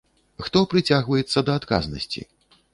Хто прыцягваецца да адказнасці?